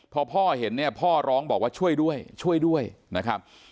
พอพ่อเห็นเนี่ยพ่อร้องบอกว่าช่วยด้วยช่วยด้วยนะครับ